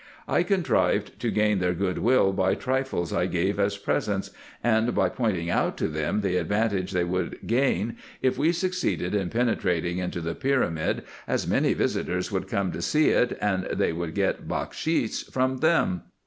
I contrived to gain their good will by trifles I gave as presents, and by pointing out to them the advantage they would gain, if we succeeded in penetrating into the pyramid, as many visitors would come to see it, and they would get bakshis from them.